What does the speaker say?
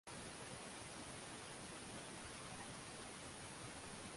cha West Side Boys mwanzoni kilikuwa kinaendeshwa na